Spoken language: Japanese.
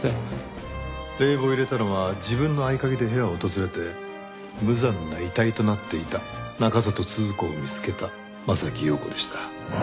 冷房入れたのは自分の合鍵で部屋を訪れて無残な遺体となっていた中郷都々子を見つけた柾庸子でした。